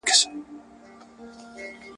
پال ډنبار خپل لومړنی شعر ..